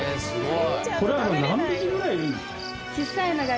これは何匹ぐらいいるんですか？